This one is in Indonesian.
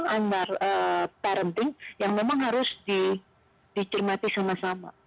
antar parenting yang memang harus dicermati sama sama